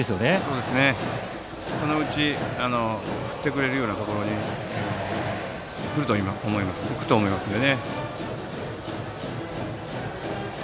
そうですね、そのうち振ってくれるようなところに行くと思いますので。